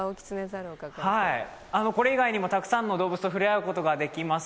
これ以外にもたくさんの動物と触れ合うことができます。